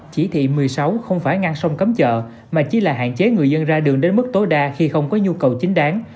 chỉ thị một mươi sáu không phải ngăn sông cấm chợ mà chỉ là hạn chế người dân ra đường đến mức tối đa khi không có nhu cầu chính đáng